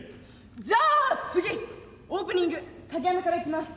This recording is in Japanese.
じゃあ次オープニング影アナからいきます。